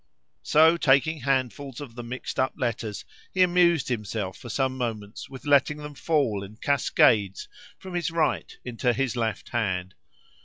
So taking handfuls of the mixed up letters, he amused himself for some moments with letting them fall in cascades from his right into his left hand.